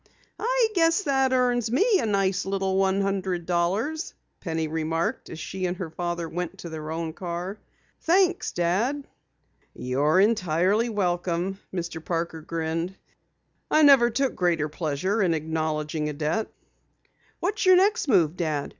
"I guess that earns me a nice little one hundred dollars!" Penny remarked as she and her father went to their own car. "Thanks, Dad." "You're entirely welcome," Mr. Parker grinned. "I never took greater pleasure in acknowledging a debt." "What's your next move, Dad?